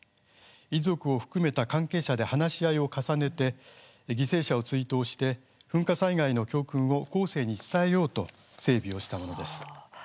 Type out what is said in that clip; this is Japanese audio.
遺族を含めた関係者で話し合いを重ねて犠牲者を追悼し噴火災害の教訓を後世に伝えようと整備したものです。